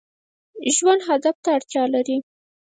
ژوند هدف ته اړتیا لري